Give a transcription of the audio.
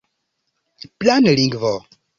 planlingvo